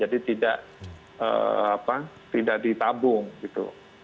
jadi tidak ditabung gitu